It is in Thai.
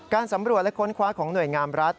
สำรวจและค้นคว้าของหน่วยงามรัฐ